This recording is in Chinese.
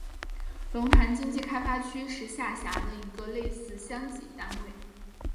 龙潭经济开发区是下辖的一个类似乡级单位。